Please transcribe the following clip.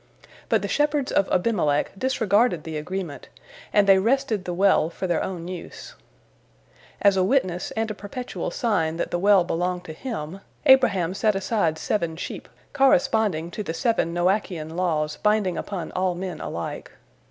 But the shepherds of Abimelech disregarded the agreement, and they wrested the well for their own use. As a witness and a perpetual sign that the well belonged to him, Abraham set aside seven sheep, corresponding to the seven Noachian laws binding upon all men alike.